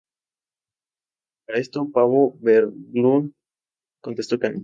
A esto Paavo Berglund contestó que no.